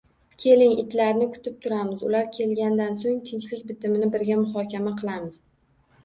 Keling, itlarni kutib turamiz, ular kelgandan so‘ng tinchlik bitimini birga muhokama qilamiz